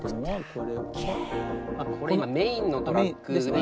これメインのトラックですね。